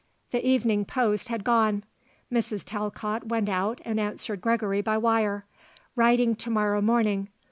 The evening post had gone. Mrs. Talcott went out and answered Gregory by wire: "Writing to morrow morning.